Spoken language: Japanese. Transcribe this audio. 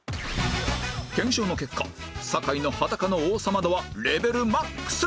検証の結果坂井の裸の王様度はレベル ＭＡＸ